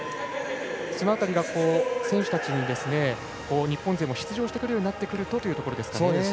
その辺りが選手たちに日本勢も出場してくるようになってくるとというところですね。